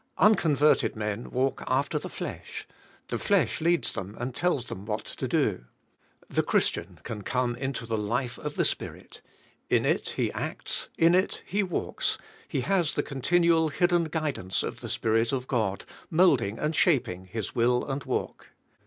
Unconverted men walk after the flesh; the flesh leads them and tells them what to do. The Christian can come into the life of the Spirit; in it he acts, in it he walks, he has the con tinual hidden guidance of the Spirit of God mould ing* and shaping his will and walk.